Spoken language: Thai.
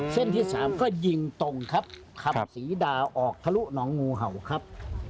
ที่สามก็ยิงตรงครับขับสีดาวออกทะลุหนองงูเห่าครับ